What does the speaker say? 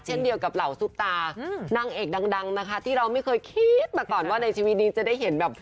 เช่นเดียวกับเหล่าซุปตานางเอกดังนะคะที่เราไม่เคยคิดมาก่อนว่าในชีวิตนี้จะได้เห็นแบบ